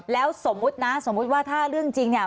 แล้วสมมุตินะสมมุติว่าถ้าเรื่องจริงเนี่ย